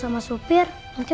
aku mau main ke rumah intan